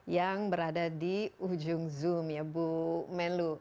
yang berada di ujung zoom ya bu menlu